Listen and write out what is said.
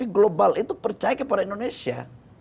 global itu percaya kepada indonesia